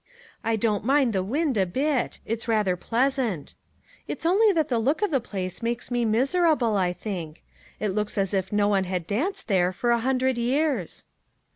"I don't mind the wind a bit; it's rather pleasant. It's only that the look of the place makes me miserable, I think. It looks as if no one had danced there for a hundred years."